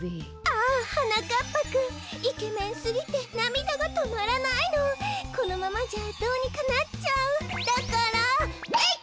ああはなかっぱくんイケメンすぎてなみだがとまらないのこのままじゃどうにかなっちゃうだからえいっ！